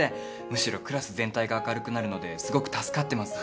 むしろクラス全体が明るくなるのですごく助かってます。